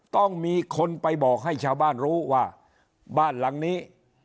ต้องมีคนไปบอกให้ชาวบ้านรู้ว่าบ้านหลังนี้